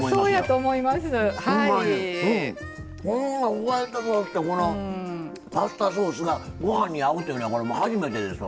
ホワイトソースとこのパスタソースがご飯に合うっていうのはこれ初めてですわ。